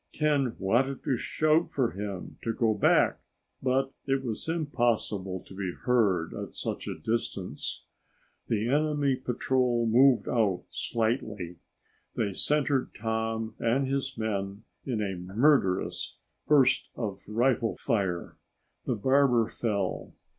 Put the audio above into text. Ken wanted to shout for him to go back, but it was impossible to be heard at such distance. The enemy patrol moved out slightly. They centered Tom and his men in a murderous burst of rifle fire. The barber fell.